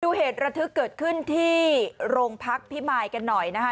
เหตุระทึกเกิดขึ้นที่โรงพักพิมายกันหน่อยนะคะ